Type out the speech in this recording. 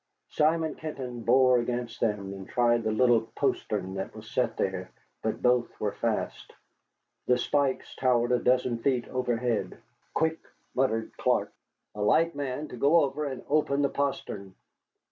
Simon Kenton bore against them, and tried the little postern that was set there, but both were fast. The spikes towered a dozen feet overhead. "Quick!" muttered Clark, "a light man to go over and open the postern."